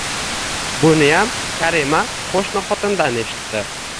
Buniyam Karima qo`shni xotindan eshitdi